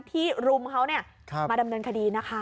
ที่รุมเขาเนี่ยมาดำเนินคดีนะคะ